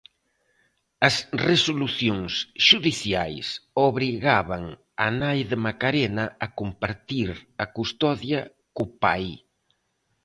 As resolucións xudiciais obrigaban a nai de Maracena a compartir a custodia co pai.